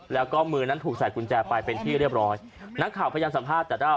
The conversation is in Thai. แล้วก็มือนั้นถูกใส่กุญแจไปเป็นที่เรียบร้อยนักข่าวพยายามสัมภาษณ์แต่ด้าน